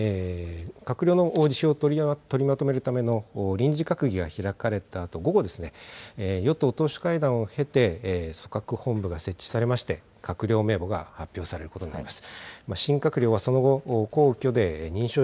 閣僚の辞表を取りまとめるための臨時閣議が開かれたあと、午後、与党党首会談を経て、組閣本部が設置されまして、閣僚名簿が発表されることになります。